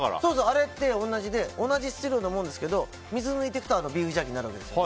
あれって同じで同じ質量ですけど水抜いていくとビーフジャーキーになるわけですよ。